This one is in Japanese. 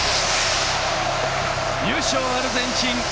優勝、アルゼンチン！